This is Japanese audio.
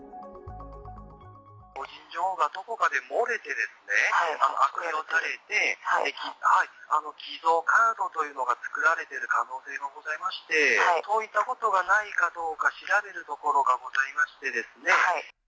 個人情報がどこかで漏れてですね、悪用されて、偽造カードというのが作られてる可能性もございまして、そういったことがないかどうか調べるところがございましてですね。